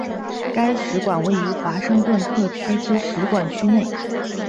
该使馆位于华盛顿特区之使馆区内。